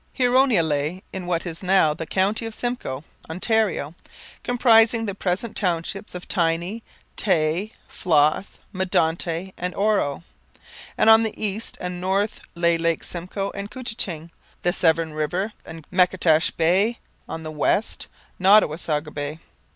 Huronia lay in what is now the county of Simcoe, Ontario, comprising the present townships of Tiny, Tay, Flos, Medonte, and Oro. On the east and north lay Lakes Simcoe and Couchiching, the Severn river, and Matchedash Bay; on the west, Nottawasaga Bay.